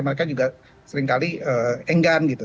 mereka juga seringkali enggan gitu